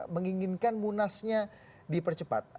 menginginkan munasnya dipercepat